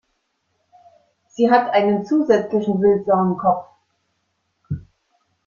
Sie hat einen zusätzlichen Wildsauen-Kopf.